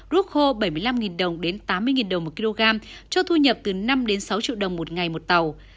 rút khô bảy mươi năm tám mươi đồng một kg cho thu nhập từ năm sáu triệu đồng một ngày một tàu